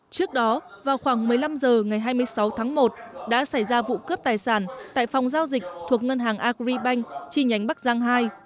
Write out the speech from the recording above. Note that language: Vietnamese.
trước đó vào khoảng một mươi năm h ngày hai mươi sáu tháng một đã xảy ra vụ cướp tài sản tại phòng giao dịch thuộc ngân hàng agribank chi nhánh bắc giang ii